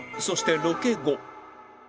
そしてロケ後